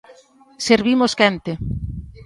Servimos quente.